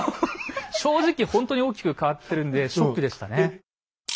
正直ほんとに大きく変わってるんでショックでしたね。